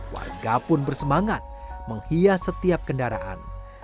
warga pun bersemangat menghias setiap kendaraan